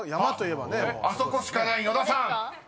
［「あそこしかない」野田さん］